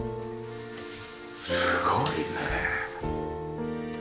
すごいねえ。